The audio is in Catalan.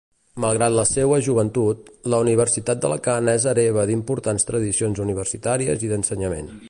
Malgrat la seua joventut, la Universitat d’Alacant és hereva d’importants tradicions universitàries i d’ensenyament.